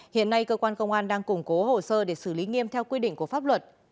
hiện nay cơ quan công an đang củng cố hồ sơ để xử lý nghiêm theo quy định của pháp luật